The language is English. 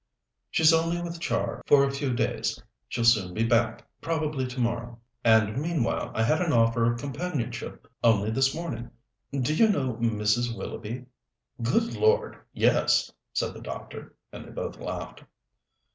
"She's only with Char for a few days. She'll soon be back, probably tomorrow. And meanwhile I had an offer of companionship only this morning. Do you know Mrs. Willoughby?" "Good Lord, yes!" said the doctor, and they both laughed.